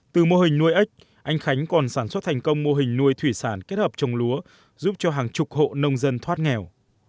từ mô hình nuôi ếch anh khánh còn sản xuất thành công mô hình nuôi thủy sản kết hợp trồng lúa giúp cho hàng chục hộ nông dân thoát nghèo